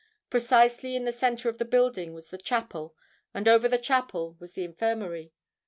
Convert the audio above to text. Precisely in the centre of the building was the chapel; and over the chapel was the infirmary.